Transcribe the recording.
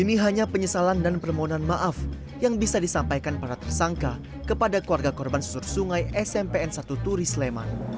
ini hanya penyesalan dan permohonan maaf yang bisa disampaikan para tersangka kepada keluarga korban susur sungai smpn satu turi sleman